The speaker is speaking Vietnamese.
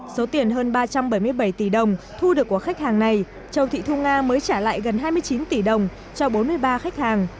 số tiền hơn ba trăm bảy mươi bảy tỷ đồng thu được của khách hàng này châu thị thu nga mới trả lại gần hai mươi chín tỷ đồng cho bốn mươi ba khách hàng